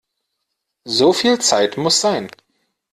So viel Zeit muss sein!